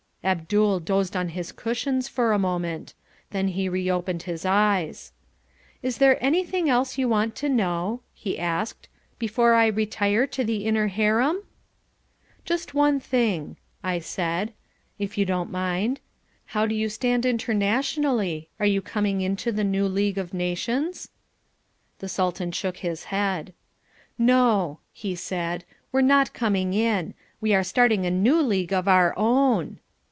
Abdul dozed on his cushions for a moment. Then he reopened his eyes. "Is there anything else you want to know," he asked, "before I retire to the Inner Harem?" "Just one thing," I said, "if you don't mind. How do you stand internationally? Are you coming into the New League of Nations?" The Sultan shook his head. "No," he said, "we're not coming in. We are starting a new league of our own."